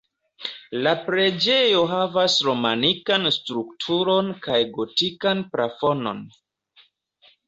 La preĝejo havas romanikan strukturon kaj gotikan plafonon.